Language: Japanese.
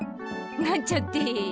なんちゃって。